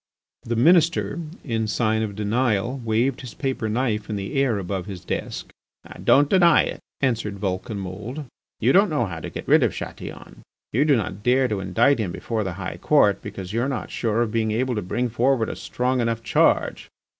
The Minister, in sign of denial, waved his paper knife in the air above his desk. "Don't deny it," answered Vulcanmould. "You don't know how to get rid of Chatillon. You do not dare to indict him before the High Court because you are not sure of being able to bring forward a strong enough charge.